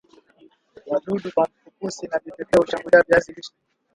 wadudu kama fukusi na vipepeo hushambulia viazi lishe